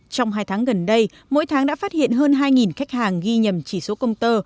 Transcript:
trong hai tháng gần đây mỗi tháng đã phát hiện hơn hai khách hàng ghi nhầm chỉ số công tơ